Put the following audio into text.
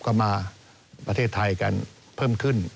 ก็มาประเทศไทยกันเพิ่มขึ้น